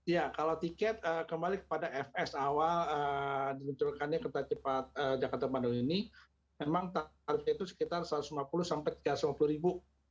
ya kalau tiket kembali kepada fs awal dimunculkannya kereta cepat jakarta bandung ini memang tarifnya itu sekitar satu ratus lima puluh sampai rp tiga ratus lima puluh ribu